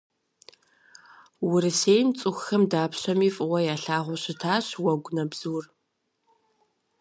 Урысейм цӏыхухэм дапщэми фӏыуэ ялъагъуу щытащ уэгунэбзур.